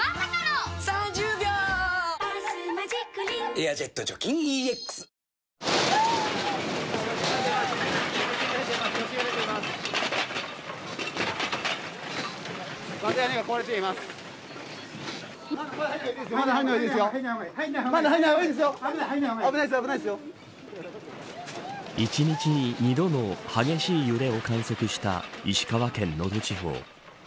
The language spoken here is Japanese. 「エアジェット除菌ＥＸ」１日に２度の激しい揺れを観測した石川県、能登地方。